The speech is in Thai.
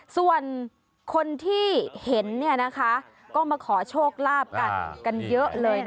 ส่วนคนที่เห็นนะคะก็มาขอโชคลาบกันเยอะเลยนะ